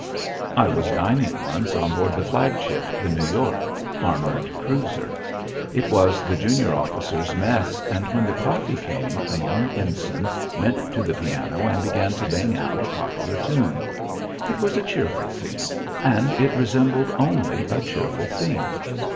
I was dining once on board the flag ship, the New York, armoured cruiser. It was the junior officers' mess, and when the coffee came, a young ensign went to the piano and began to bang out a popular tune. It was a cheerful scene, and it resembled only a cheerful scene.